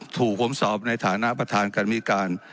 ถูกผมสอบในฐานะประธานกรรมวิการ